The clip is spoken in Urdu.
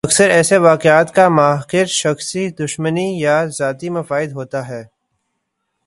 اکثر ایسے واقعات کا محرک شخصی دشمنی یا ذاتی مفاد ہوتا ہے۔